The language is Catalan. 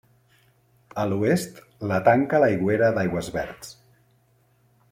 A l'oest la tanca l'Aigüera d'Aigüesverds.